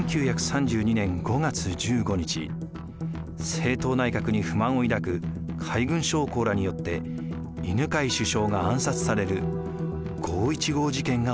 政党内閣に不満を抱く海軍将校らによって犬養首相が暗殺される五・一五事件が起きました。